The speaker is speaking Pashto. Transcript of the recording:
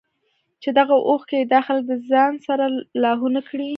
چې دغه اوښکې ئې دا خلک د ځان سره لاهو نۀ کړي